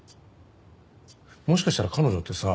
もしかしたら彼女ってさ